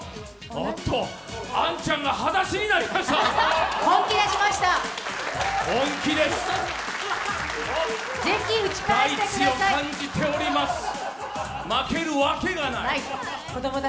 おっと、杏ちゃんが裸足になりました。